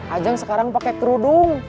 ajeng sekarang pake kerudung